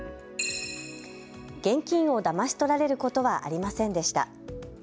現金をだまし取られることはありませんでした。